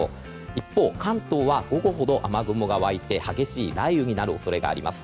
一方、関東は午後ほど雨雲が湧いて激しい雷雨になる恐れがあります。